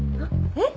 えっ？